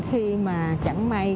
khi mà chẳng may